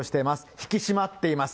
引き締まっています。